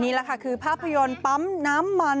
นี่แหละค่ะคือภาพยนตร์ปั๊มน้ำมัน